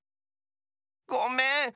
ごめん。